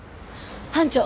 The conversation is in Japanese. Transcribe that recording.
班長。